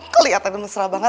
keliatan lu mesra banget